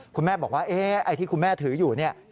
คุณแม่บอกว่าไอ้ที่คุณแม่ถืออยู่เนี่ย